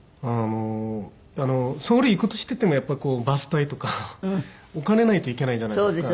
ソウル行こうとしててもやっぱこうバス代とかお金ないと行けないじゃないですか。